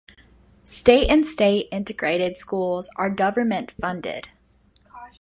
State and state integrated schools are government funded.